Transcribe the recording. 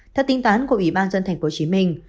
theo tính toán của ủy ban dân thành phố hồ chí minh